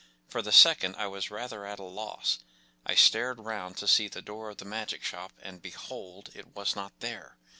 For the second I was rather at a loss. I stared round to see the door of the magic ehop, and, behold, it was not there